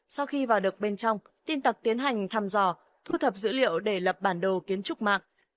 sau khi vào được bên trong tin tặc tiến hành thăm dò thu thập dữ liệu để lập bản đồ kiến trúc mạng